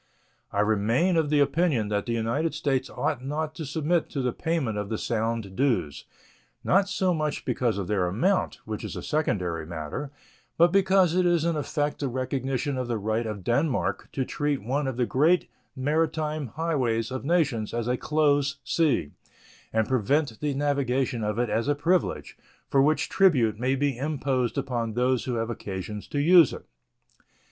I remain of the opinion that the United States ought not to submit to the payment of the Sound dues, not so much because of their amount, which is a secondary matter, but because it is in effect the recognition of the right of Denmark to treat one of the great maritime highways of nations as a close sea, and prevent the navigation of it as a privilege, for which tribute may be imposed upon those who have occasion to use it.